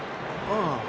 ああ。